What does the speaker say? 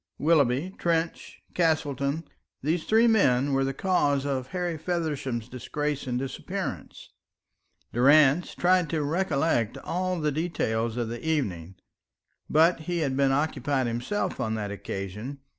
Willoughby, Trench, Castleton these three men were the cause of Harry Feversham's disgrace and disappearance. Durrance tried to recollect all the details of the evening; but he had been occupied himself on that occasion.